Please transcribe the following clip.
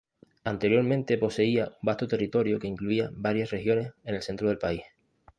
Anteriormente poseía un vasto territorio que incluía varias regiones en el centro del país.